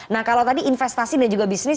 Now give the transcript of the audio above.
nah kalau tadi investasi dan juga bisnis